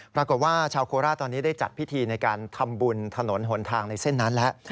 ปรากฏว่าชาวโคราชตอนนี้ได้จัดพิธีในการทำบุญถนนหนทางในเส้นนั้นแล้ว